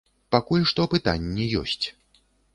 Пакуль што пытанні ёсць.